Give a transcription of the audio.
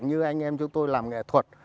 như anh em chúng tôi làm nghệ thuật